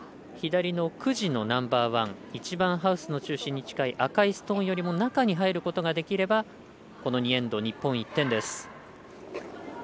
左の９時のナンバーワン一番ハウスの中心に近い赤いストーンよりも中に入ることができればこの２エンド、日本は１点です。